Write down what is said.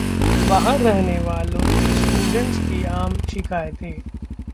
बाहर रहने वाले स्टूडेंट्स की आम शिकायतें